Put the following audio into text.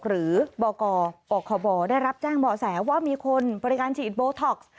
หรือบกอคบได้รับแจ้งเบาะแสว่ามีคนบริการฉีดโบท็อกซ์